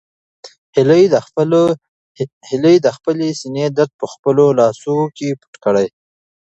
هیلې د خپلې سېنې درد په خپلو لاسو کې پټ کړ.